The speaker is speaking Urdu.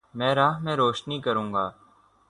میں راہ میں روشنی کرونگا